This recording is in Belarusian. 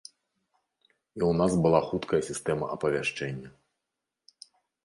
І ў нас была хуткая сістэма апавяшчэння.